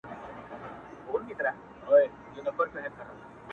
اچولی یې پر سر شال د حیا دی,